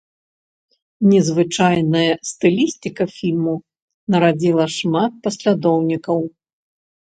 Незвычайная стылістыка фільму нарадзіла шмат паслядоўнікаў.